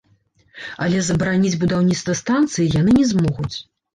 Але забараніць будаўніцтва станцыі яны не змогуць.